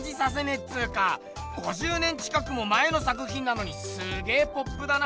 っつうか５０年近くも前の作品なのにすげポップだな。